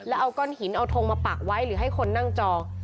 แล้วเอาก้อนหินเอาทงมาปักไว้หรือให้คนนั่งจอง